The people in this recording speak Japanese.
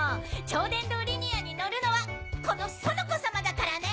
超電導リニアに乗るのはこの園子様だからね！